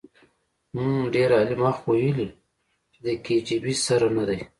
حم ډېر عالي ما خو ويلې چې د کي جي بي سره ندی.